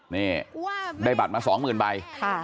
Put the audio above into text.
นี่ได้บัตรมาสองหมื่นใบ